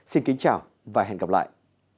xin kính chào và hẹn gặp lại